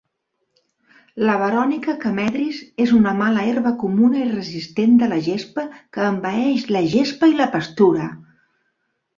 La verònica camedris és una mala herba comuna i resistent de la gespa que envaeix la gespa i la pastura.